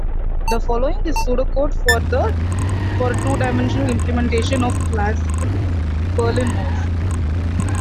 The following is pseudocode for a two-dimensional implementation of Classical Perlin Noise.